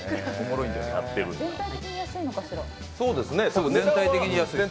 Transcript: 全体的に安いのかしら？